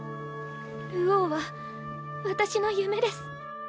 流鶯は私の夢です。